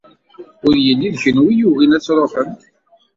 Ur yelli d kunwi i yugin ad tṛuḥem.